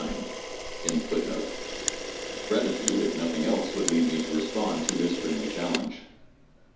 1 Gratitude, if nothing else, would lead me to respond to his friendly challenge.